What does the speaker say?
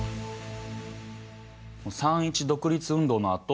三・一独立運動のあと